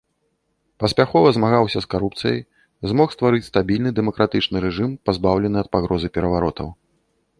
Паспяхова змагаўся з карупцыяй, змог стварыць стабільны дэмакратычны рэжым, пазбаўлены ад пагрозы пераваротаў.